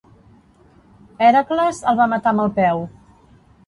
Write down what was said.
Hèracles el va matar amb el peu.